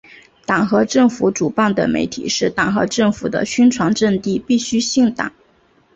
党和政府主办的媒体是党和政府的宣传阵地，必须姓党。